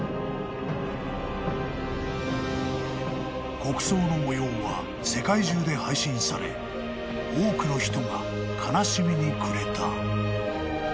［国葬の模様は世界中で配信され多くの人が悲しみに暮れた］